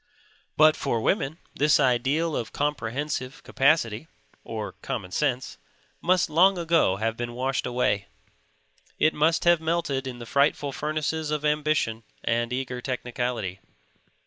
But for women this ideal of comprehensive capacity (or common sense) must long ago have been washed away. It must have melted in the frightful furnaces of ambition and eager technicality.